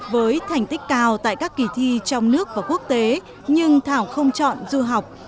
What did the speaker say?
với thành tích cao tại các kỳ thi trong nước và quốc tế nhưng thảo không chọn du học